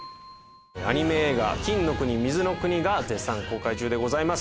アニメ映画『金の国水の国』が絶賛公開中でございます。